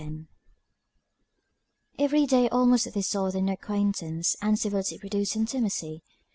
Every day almost they saw their new acquaintance; and civility produced intimacy.